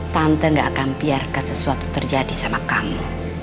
tante gak akan biarkan sesuatu terjadi sama kamu